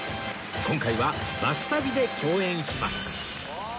今回は『バス旅』で共演します